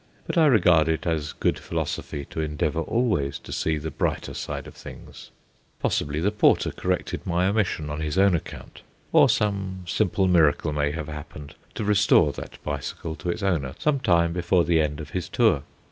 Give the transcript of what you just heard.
But I regard it as good philosophy to endeavour always to see the brighter side of things. Possibly the porter corrected my omission on his own account, or some simple miracle may have happened to restore that bicycle to its owner some time before the end of his tour.